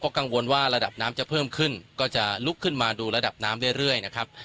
กังวลว่าระดับน้ำจะเพิ่มขึ้นก็จะลุกขึ้นมาดูระดับน้ำเรื่อยนะครับ